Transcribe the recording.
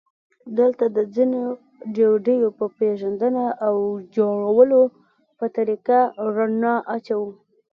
دلته د ځینو ډوډیو په پېژندنه او د جوړولو په طریقه رڼا اچوو.